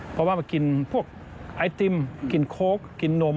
เพราะว่ามากินพวกไอติมกินโค้กกินนม